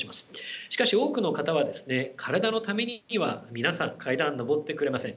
しかし多くの方はですね体のためには皆さん階段上ってくれません。